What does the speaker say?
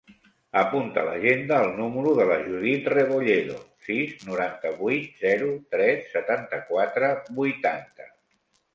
Apunta a l'agenda el número de la Judith Rebolledo: sis, noranta-vuit, zero, tres, setanta-quatre, vuitanta.